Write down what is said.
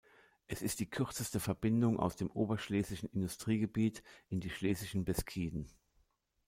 Es ist die kürzeste Verbindung aus dem Oberschlesischen Industriegebiet in die Schlesischen Beskiden.